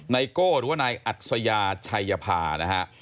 โก้หรือว่านายอัศยาชัยภานะฮะ